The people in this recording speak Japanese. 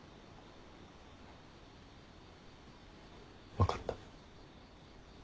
分かった。